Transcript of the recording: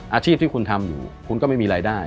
อาชีพที่คุณทำอยู่คุณก็ไม่มีรายได้